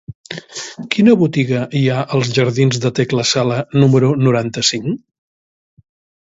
Quina botiga hi ha als jardins de Tecla Sala número noranta-cinc?